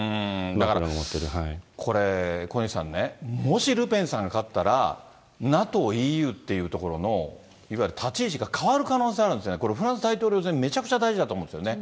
だからこれ、小西さんね、もし、ルペン勝ったらＮＡＴＯ、ＥＵっていうところのいわゆる立ち位置が変わる可能性あるんですよね、これ、フランス大統領選、めちゃくちゃ大事だと思うんですけどね。